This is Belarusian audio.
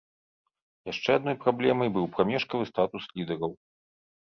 Яшчэ адной праблемай быў прамежкавы статус лідараў.